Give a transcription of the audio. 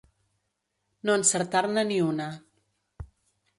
No encertar-ne ni una.